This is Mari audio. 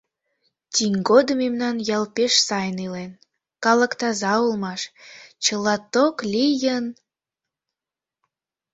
Тӱҥ годым мемнан ял пеш сайын илен, калык таза улмаш, чыла ток лийын...